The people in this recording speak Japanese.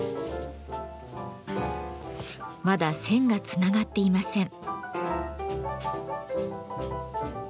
まだ線がつながっていません。